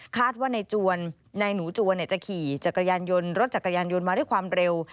คาดว่านายหนูจวนจะขี่รถจักรยานยนต์มาด้วยความเร็ว